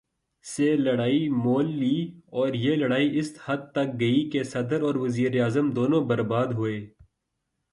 سے لڑائی مول لی اور یہ لڑائی اس حد تک گئی کہ صدر اور وزیر اعظم دونوں برباد ہوئے۔